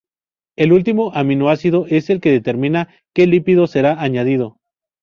El último aminoácido es el que determina que lípido será añadido.